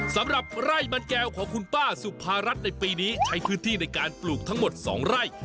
สำหรับไร่มันแก้วของคุณป้าสุภารัฐในปีนี้ใช้พื้นที่ในการปลูกทั้งหมด๒ไร่